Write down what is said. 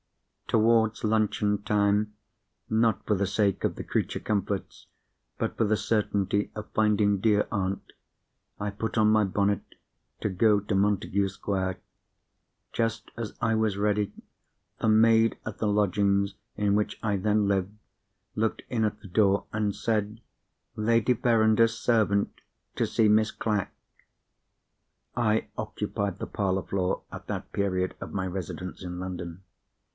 Towards luncheon time—not for the sake of the creature comforts, but for the certainty of finding dear aunt—I put on my bonnet to go to Montagu Square. Just as I was ready, the maid at the lodgings in which I then lived looked in at the door, and said, "Lady Verinder's servant, to see Miss Clack." I occupied the parlour floor, at that period of my residence in London.